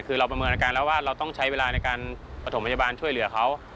คือเราประเมินอาการแล้วว่าเราต้องใช้เวลาในการประถมพยาบาลช่วยเหลือเขา